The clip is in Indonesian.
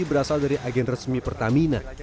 berasal dari agen resmi pertamina